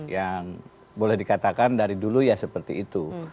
yang boleh dikatakan dari dulu ya seperti itu